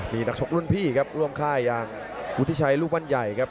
มีนักชกรุ่นพี่ครับร่วมค่ายอย่างวุฒิชัยลูกบ้านใหญ่ครับ